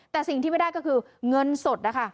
แต่สิ่งที่ไม่ได้ก็คือเงินสดนะคะ